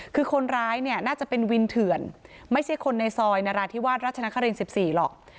คือคนร้ายเนี่ยน่าจะเป็นวินเถื่อนไม่ใช่คนในซอยนราธิวาสราชนคริน๑๔หรอก